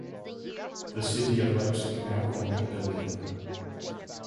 The city of Leipzig now owned the building.